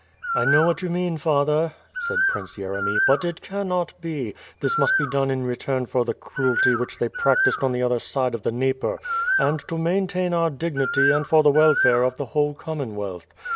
"I know what you mean. Father," said Prince Yeremy, but it cannot be. This must be done in return for the cruelty WITH PIM AND SWORD. ^&g which they practiced on the other side of the Dnieper; and to maintain our dignity and for the welfare of the whole Com monwealth.